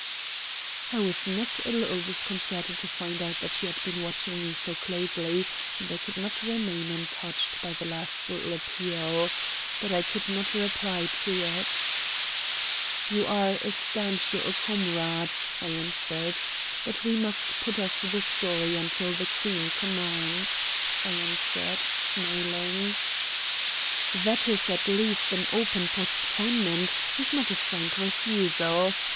I was not a little disconcerted to find that she had been watching me so closely, and I could not remain untouched by the last little appeal. But I could not reply to it. "You are a stanch little comrade," I answered. "But we must put off the story until the Queen commands," I answered, smiling. "That is at least an open postponement, if not a frank refusal.